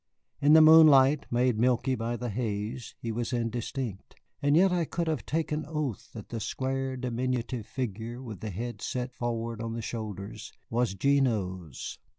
In the moonlight, made milky by the haze, he was indistinct. And yet I could have taken oath that the square, diminutive figure, with the head set forward on the shoulders, was Gignoux's.